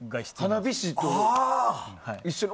花火師と一緒と。